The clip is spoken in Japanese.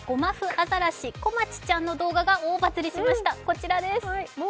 あざらし、こまちちゃんの動画が大バズりしました。